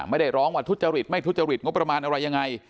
ไม่ได้ร้องว่าทุจริตไม่ทุจริตงบประมาณอะไรยังไง